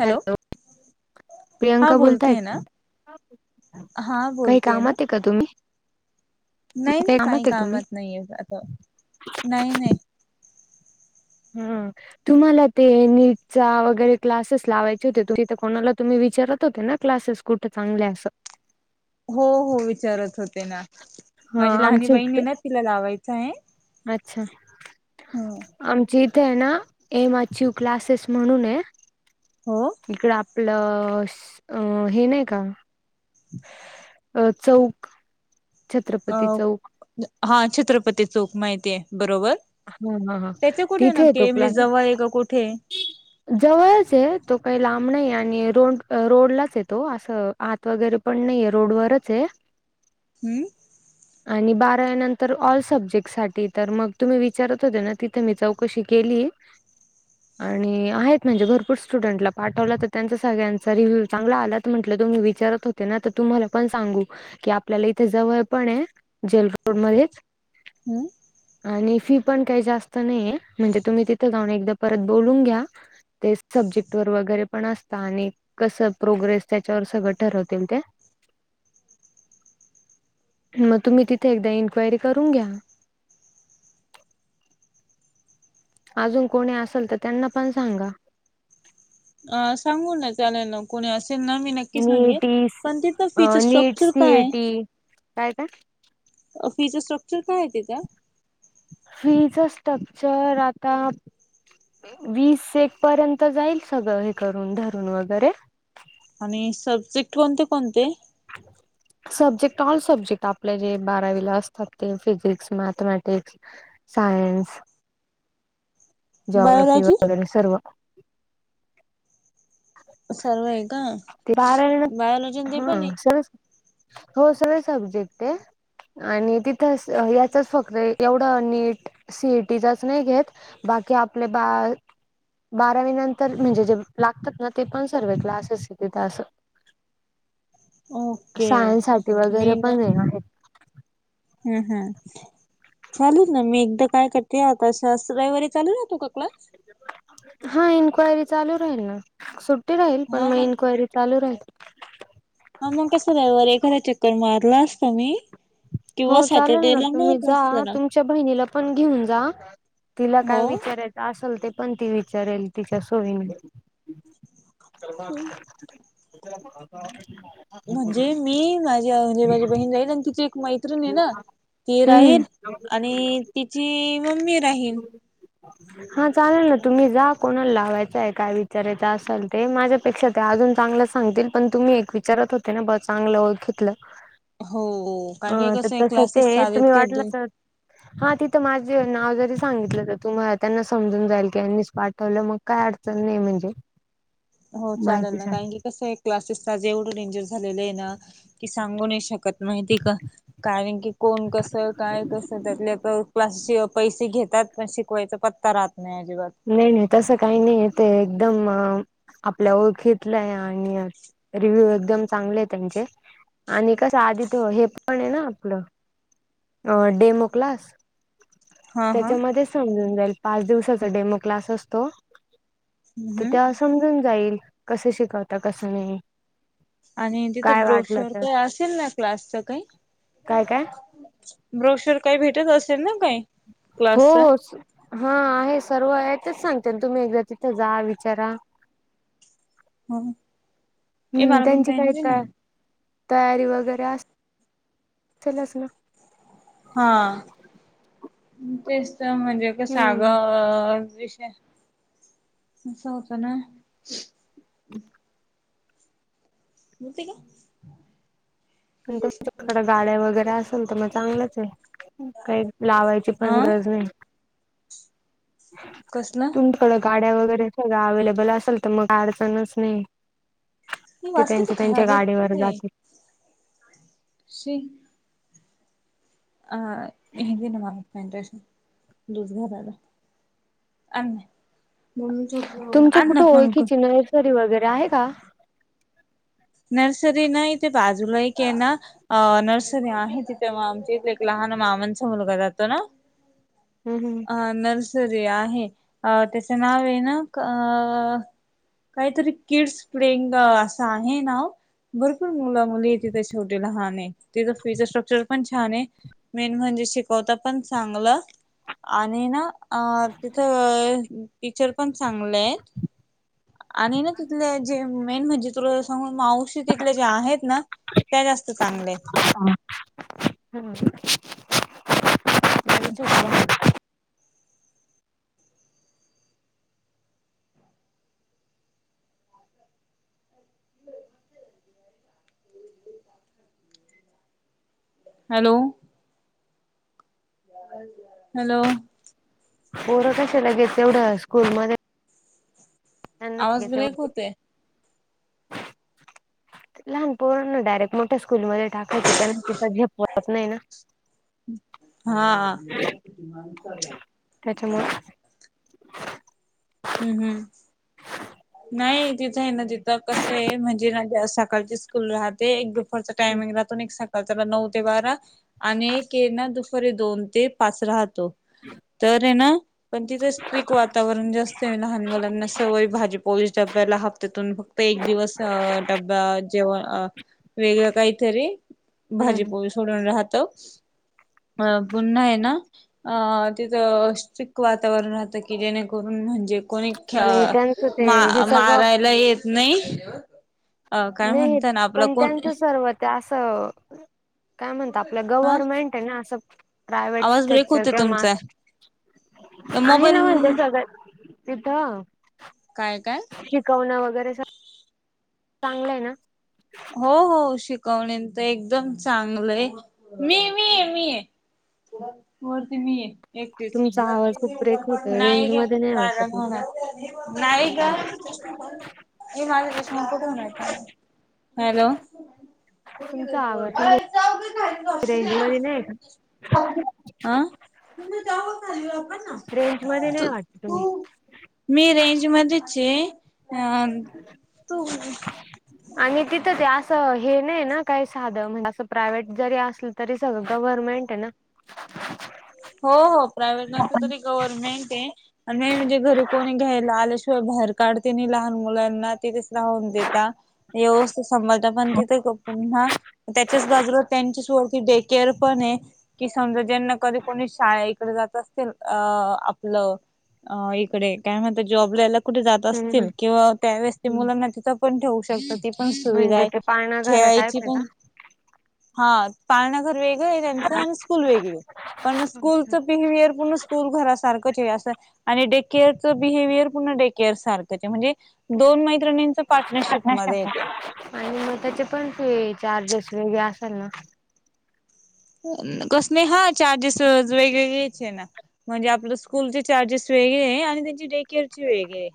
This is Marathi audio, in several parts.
हॅलो हा प्रियांका बोलताय बोलते ना का? हा काही बोलते कामात ना आहे का तुम्ही नाही नाही काही कामात आहे तुम्ही कामत नाहीय आता नाही नाही हम तुम्हाला ते नीटचा वगैरे क्लासेस लावायचे होते त तिथे कोणाला तुम्ही विचारत होते ना क्लासेस कुठे चांगले असं हो हो विचारत होते ना हा माझी लहनी आमच्या बहिण इकडे आहे ना तिला लावायचं आहे अच्छा हो आमची इथे आहे ना एम अचीव क्लासेस म्हणून आहे हा इकड आपलं अ हे नाही का अ चौ अ हा छत्रपती चौक माहिती आहे बरोबर हा हा हा त्याचे कुठे तिथे येतो नक्की म्हणजे क्लासेस जवळ आहे ग कुठे जवळच आहे तो काही लांब नाही आणि रोड रोडलाच आहे तो असं आत वगैरे पण नाहीे रोडवररच आहे हम्म आणि बारानंतर ऑल सब्जेक्ट सासाठी तर मग तुम्ही विचारत होते ना तिथे मी चौकशी केली आणि आहेत म्हणजे भरपूर स्टुडंटला पाठवलं तर त्यांचा सगळ्यांचा रिव्ह्यू चांगला आलात म्हटलं तुम्ही विचारत हो ते ना आता तुम्हाला पण सांगू की आपल्याला इथे जवळ पण आहे. जेल रोड मध्येच हम्म आणि फी पण काही जास्त नाहीये म्हणजे तुम्ही तिथं जाऊन एकदा परत बोलून घ्या ते सब्जेक्ट वर वगैरे पण असतात. आणि कसं प्रोग्रेस त्याच्यावर सगळं ठरवतील ते मग तुम्ही तिथे एकदा इन्क्वायरी करून घ्या अजून कोणी असेल तर त्यांना पण सांगा. अ सांगू ना चालेल नाग कोणी असेल ना मी नक्की सांगे नीटीस पण तिथं फीचर स्ट्रक्चर काय कायता फीचर स्ट्रक्चर काय आहे त्यािच्या फीच स्ट्रक्चर आता वीस एक पर्यंत जाईल सगळं हे करून धरून वगैरे आणि सब्जेक्ट कोणते कोणते? [unintelligible] सब्जेक्ट ऑल सब्जेक्ट आपले जे बारावीला असतात ते physics, mathematics science. Geography biology वगैरे सर्व सर्व आहे का ते [unintelligible] बायोलॉजी ते हा पण आहे सगलंच [inaudible] हो सगळे सब्जेक्ट ये. आणि तिथं याचच फक्त एवढं नीट सी ई टीचाच नाही घेत बाकी आपले बा बारावी नंतर म्हणजे जे लाग तात ना ते पण सर्व क्लासेस आहे तिथ असं ओके सायन्स साठी वगैरे पण हे आहे. हूं हूं चालू येत ना मी एकदा काय कर ते आता कशा अस रयवारी चालू राहतो का क्लास हा इन्क्वायरी चालू राहील ना सुट्टी राहील पण मग इन्क्वायरी चालू राहील. हा मग कसं रयवारी एखदा चक्कर मारलास ता मी हो किंवा चालेल ना सॅटर्डेला तुम्ही मारला जा असता ना तुमच्या बहिणीला पण घेऊन जा तिला हो काय विचाराय असल ते पण ती विचारेल तिच्या सोयीनी आता हम्म. [unintelligible] म्हणजे मी माझी म्हणजे माझी बहीण जाईल आणि तिची एक मै त्रीण ये ना ती हम्म राहील आणि तिची मम्मी राहील. हा चालेल ना तुम्ही जा कोणाला लावायचाय काय विचारायच असल ते माझ्य पेक्षा ते अजून चांगलं सांगतील पण तुम्ही एक विचारत होते ना ब चांगलं ओळखितलं. हो. अ कारण की त कसं तस ते क्लासेस चालेत तुम्ही वाटलं का तर हा तिथं माझे नाव जरी सांगितलं तर तु त्यांना समजून जाईल की यांनीच पाठवलं मग काय अडचण नाय म्हणजे हो चालेल ना माहितीसाठी कारण की कसं आहे क्लासेस एवढं डेंजर झालेलं आहे ना की सांगू नाय शकत माहितीय का? कारण की कोण कसं काय कसं त्यातले तर क्लास पैसे घेतात पण शिकवायचं पत त्ता राहत नाय अजिबात. नाय नाय तसं काही नाहीये. ते एकदम आपल्या ओळखीतलंय आणि रिव्ह्यू एकदम चांगले ये त्यांचे आणि कसं आधी त हे पण आहे ना आपलं अ डेमो क्लास हा हा त्याच्यामध्ये समजून जाईल पाच दिवसाचा डेमो क्लास असतो. हम्म त हम्म. तेव्हा समजून जाईल कसं शिकवता कसं नाही. आणि तिथं काय वाटलं ब्रोशर तर काही असेल ना क्लासच काही काय काय ब्रोशर काही भेटत असेल ना काही हो क्लासच हो हा आहे सर्व आहे तेच सांगते ना तुम्ही एकदा तिथ जा विचारा ए हम्म मला पण त्यांची पेन कायत दे काय ना तयारी वगैरे अस असेलच ना. हा तेच त्या म्हणजे कस अग हम्म विषय असं होत नाय. बोलती का? तुमच्याकड गाड्या वगैरे असेल तर मग चांगलंच आहे. काही लावायची पण हा गरज नाही. कसलं तुम तेवढं गाड्या वगैरे सगळ्या अव्लेबल असेल तर मग अडचणच नाही. ही ते वास किती त्यांच्या त्यांच्या खराब गाडीवर येतोय जातील. शी [unintelligible] [unintelligible] घरी वगैरे आहे का. नर्सरी ना इथे बाजूला एक आहे ना अ नर्सरी आहे तिथे म आमच्या इथ एक लहान मामांचा मुलगा जातो ना हम्म अ नर्सरी आहे अ त्याचं नाव आहे ना अ काहीतरी किडस ट्रेंड अस काही तरी आहे. ना भरपूर मुल मुली तिथ शेवटी लहान तिथ फीचर स्ट्रक्चर पण छा छान आहे मेन म्हणजे शिकवता पण चांगलं आणि ना अ तिथ टीचर पण चांगलेय आणि ना तिथले जे मेन म्हणजे तु सांगून मावशी तथल्या ज्या आहेत ना त्या जास्त चांगल्या आहेत. [unintelligible] [unintelligible] हा हॅलो. हॅलो. पोरं कश लगेच तेवढं स्कूलमध्ये आवाज ब्रेक होतोय [unintelligible] लहान पोराना डायरेक्ट मोठ्या स्कूलमध्ये टाकायचं त्यांना तिथं झेपवत नाही ना. हा. त्याच्यामुळे हम्म हम्म. नाही तिथं आहे ना तिथं कसं आहे म्हणजे सकाळची स्कूल राहते एक दो च हम्म टामिंग राहतो आण एक स त्याला नऊ ते बारा आणि एके ना दुपारी दोन ते पाच राहतो. तर आहे ना पण तिथं स्ट्रिक वातावरण जास्त लहान मुलांना सवय भाजी डब्या ह्त्यातून फक्त एक दिवस डबा जेव वेगळं काहीतरी भाजी हम्म पोळी सोडून राहत. अ पुन्हा आहे ना अ तिथ स्ट्रिक वातावरण राहतं की जेणे करून म्हणजे कोणी ख आणि त्यांचं ते हे सगळं यला येत नाही अ काय नाही म्हणता ना आपला पण कोण त्यांचं सर्वत ते असं काय म्हणता आपलं ह गव्हर्मेंट आहे ना असं प्रायवेट आवाज स्टेट ब्रेक च होते किंवा मा तुमचा तर आहे ना मोबाईल म्हणज सगळ्या तिथं काय काय श कवना वगैरे स चांगलं आहे ना. हो हो शिकवणेन तर एकदम चांगलं आहे मी मी आहे मी आहे. वरती मी आहे एकटीच तुमचा आवाज खूप ब्रेक होतोय नाही रेंज द्या. मध्ये नाही कारण वाटत मला होणार नाही ग. [unintelligible] हॅलो. तुमचा आवाज तुम्ही [unintelligible] रेंज मध्ये नाही रेंज मध्ये नाही वाटत तु तुम्ही मी रेंजमध्येच ये अ तू आणि तिथं ते असं हे नाही ना काय साध म्हणजे अस प्रायव्हेट जरी असल तरी सगळं गव्हर्मेंट आहे ना. हो हो प्रायव्हेट नसत तरी गव्हर्नमेंट आहे. पण हे म्हणजे घरी कोणी घ्यायला आल्याशिवाय बाहेर काढते नाही लहान मुलांना तिथे लाऊन देता. व्यवस्थ सभाळता पण तिथे पुन्हा त्याच्याच बाजूला त्यांचीच वरती डे केअर पण आहे, की समजा ज्यांना कधी कोणी शाळे इकडे जात असतील अ आपलं, इकडे काय म्हणत जॉब यायला. कुठे जात हम्म असतील किंवा त्या वळेस हम्म मुलांना तिथं पण ठेवू शकताते. पण सुविधा म्हणजे आहे, ते पाळणा घरा टाईप खेळायची आहे पण. का हा पाळनाघर वेगळ आहे त्यांचं आणि स्कूल वेगळ आहे पण स्कूलचं बिहेवियर पूर्ण स्कूल घरा सारखंच हे अस आणि डे केअर च बिहेवियर पुर्ण डे केअर सारखंच आहे म्हणजे दोन मैत्रिणींचं पार्टनरशिप मध्ये आहेते. आणि म त्याचे पण ते चार्जेस वेगळे असल ना. कस ने हा चार्जेस वेगळेच आहे ना म्हणजे आपलं स्कूलचे चार्जेस वेगळे आहे आणि त्यांची डे केअरचे वेगळे.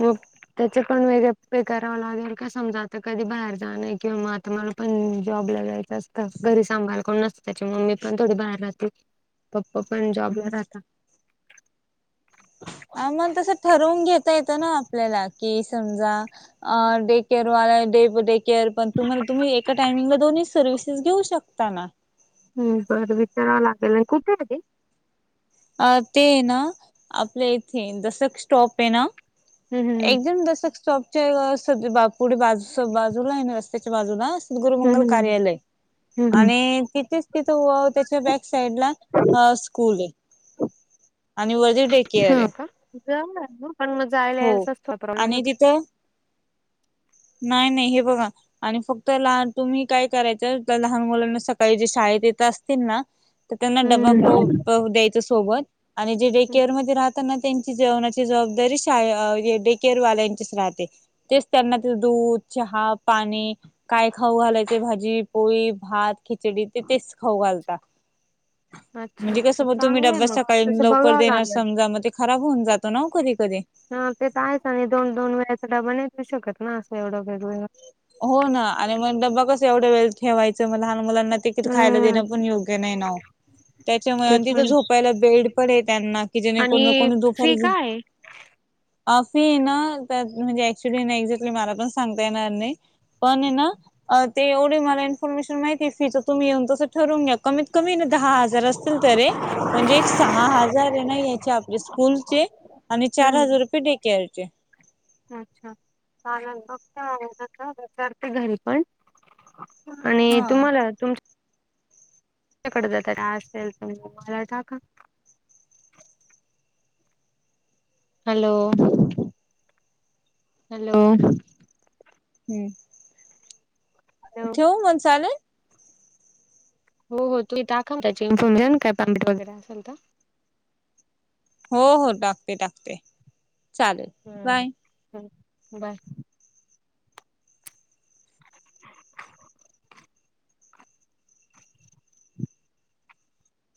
मग त्याचे पण वेगळ पे करावं लागेल का समजा आता कधी बाहेर जाने किंवा मा तर मला पण जॉबला जायचं असतं घरी सांभायला कोण नसतं त्याच्यामुळे मी पण थोडी बाहेर राहते. पप्पा पण जॉबला राहता. अ मग तसं ठरवून घेता येतं ना आपल्याला कि समजा डे केअरवा डेडे केअर पण तम्हाला तुम्ही एका टायमिंगला दोन्ही सर्व्हिसेस घेऊ शक ताना. हम् बरं विचारावं लागेल आणि कुठे आहे ग ते? अ ते ना आपल्या इथे दसक स्टॉप हे ना. हम्म हम्म एकदम दशक स्टॉप चे सद बा पुढे बाजू बाजूला आहे ना रस्त्याच्या बाजूला सद्गुरु मंगल हम्म हम्म कार्यालय. हम्म आणि तिथेच तिथं त्याच्या बॅक साइड ला स्कूल हे. हा का, केअर आहे [unintelligible] जायला हो आणि यायलाच [unintelligible] तिथं नाही नाही हे बघा. आणि फक्त लहान तुम्ही काय करायचं जर लहान मुलांना सकाळी जे शाळेत येत असतील ना. तर त्यांना डबा प्र हम्म द्यायच सोबत आणि जे डे केअर मध्ये राह त्यांना त्यांची जेवणाची जबाबदारी शा डेकेरवाल्याचीच राहते तेच त्यांना दूध, चहा, पाणी. काय खाऊ घालायचे भाजी, पोळी, भात, खिचडी तिथेच खाऊ घालतात. [inaudible] अच्छा म्हणजे अच्छा कसं म तुम्ही चांगलं आहे डब्या मग सकाळी तसं लवकर बघावं देणार लागेल समजा मते खराब होऊन जातो ना कधी कधी. हा ते तर आहेच आणि दोन दोन वेळाचा डबा नाय देऊ शकत ना असं एवढं वेग वेगळं. हो ना आणि मग डबा कस एवढं वेळ ठेवायचं म लहान मुलांना तिकीट खायला हम्म देणं पण योग्य नाही ना ओ. त्याच्यामुळे ते आणि पण तिथं आहे. झोपायला बेड पण आहे त्यांना कि जेने कोन आणि कोण दुपारी फी [unintelligible] अ फी ना त्यात म्हणजे ऍक्च्युली एक्झॅक्टली मला पण सांगता येनार नाई. पण आहे ना तेवढे मला इन्फॉर्मेशन माहिती आहे फीच तुम्ही येऊन तसं ठरून घ्या. कमीत कमी दहा हजार असतील तरी. म्हणजे एक सहा हजार आहे ना याचे आपले स्कूलचे आणि चार हम्म हजार रुपये डे केअर अच्छा, [unintelligible] बघ [unintelligible] विचारते घरी पण आणि हा तुम्हाला तुमच्या त्याच्याकड जात असेल तर मला टाका. Hello, hello. हम्म. हॅलो. ठेव मणसाले. हो हो तु टाखव त्याची इ्फॉर्मेशन कायट वगैरे असेल तर. हो हो टाकते टाकते. चालेल बाय. हम्म बाय. [unintelligible]